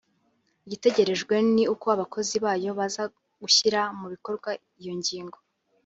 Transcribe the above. Igitegerejwe ni uko abakozi bayo baza gushyira mu bikorwa iyo nyigo